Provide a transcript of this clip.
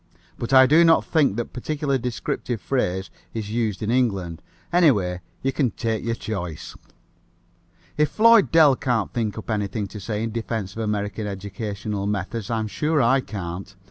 But I do not think that particular descriptive phrase is used in England. Anyway, you can take your choice." If Floyd Dell can't think up anything to say in defense of American educational methods I'm sure I can't.